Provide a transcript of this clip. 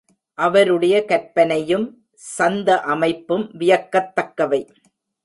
அவருடைய கற்பனையும் சந்த அமைப்பும் வியக்கத் தக்கவை.